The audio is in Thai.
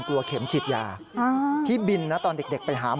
ขอบคุณพี่ไทยที่ขอบคุณพี่ไทยที่ขอบคุณพี่ไทย